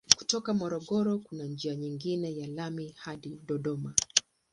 Kutoka Morogoro kuna njia nyingine ya lami hadi Dodoma.